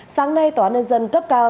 sáng nay tòa nhân dân cấp cao